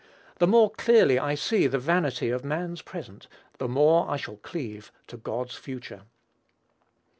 The more clearly I see the vanity of man's present, the more I shall cleave to God's future.